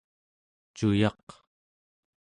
cuyaq